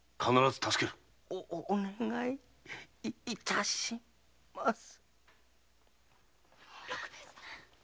お願いいたします。